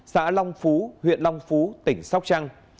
xã long phú huyện long phú tỉnh sóc trăng